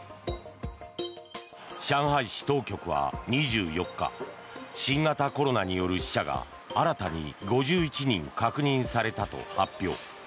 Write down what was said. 上海市当局は２４日新型コロナによる死者が新たに５１人確認されたと発表。